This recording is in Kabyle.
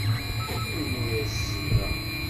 Yiwen ur as-selleɣ.